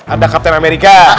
ada kapten amerika